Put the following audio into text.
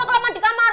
kelamaan di kamar